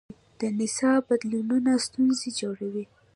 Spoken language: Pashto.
د نصاب بدلونونه ستونزې جوړوي.